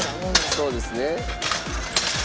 そうですね。